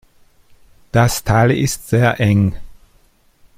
Das Tal ist sehr eng.